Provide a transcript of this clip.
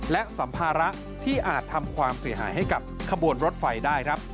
และสัมภาระที่อาจทำความเสียหายให้กับขบวนรถไฟได้ครับ